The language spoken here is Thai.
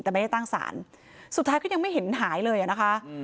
แต่ไม่ได้ตั้งศาลสุดท้ายก็ยังไม่เห็นหายเลยอ่ะนะคะ